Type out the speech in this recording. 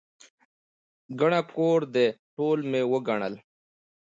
ګڼه کور دی، ټول مې وګڼل.